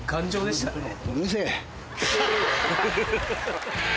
うるせぇ。